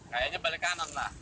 kayaknya balik kanan lah